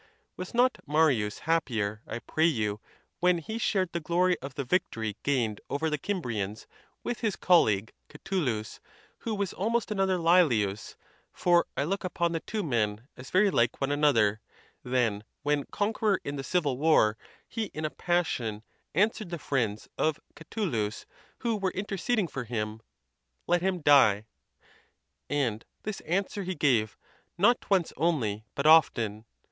Was not Marius happier, I pray you, when he shared the glory of the victory gained over the Cimbrians with his colleague Catulus (who was almost another Lelius ; for I look upon the two men as very like one another), than when, conquer or in the civil war, he in a passion answered the friends of Catulus, who were interceding for him, " Let him die?" And this answer he gave, not once only, but often.